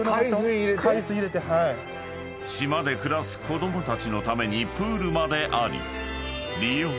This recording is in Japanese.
［島で暮らす子供たちのためにプールまであり］